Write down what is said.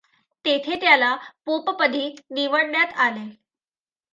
तेथे त्याला पोपपदी निवडण्यात आले.